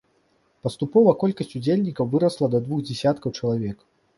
Паступова колькасць удзельнікаў вырасла да двух дзясяткаў чалавек.